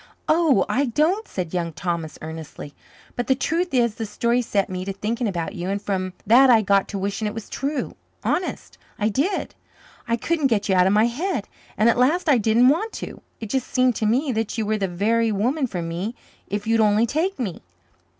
"Oh, I don't," said Young Thomas earnestly. "But the truth is, the story set me to thinking about you, and from that I got to wishing it was true honest, I did I couldn't get you out of my head, and at last I didn't want to. It just seemed to me that you were the very woman for me if you'd only take me.